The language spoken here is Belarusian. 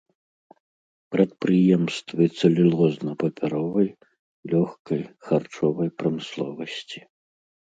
Прадпрыемствы цэлюлозна-папяровай, лёгкай, харчовай прамысловасці.